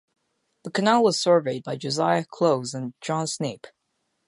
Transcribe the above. The canal was surveyed by Josiah Clowes and John Snape.